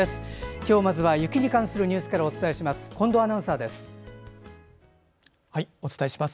今日まずは雪に関するニュースからお伝えします。